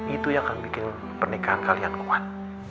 itu yang akan bikin pernikahan kalian kuat